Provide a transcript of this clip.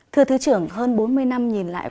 thưa thứ trưởng hơn bốn mươi năm nhìn lại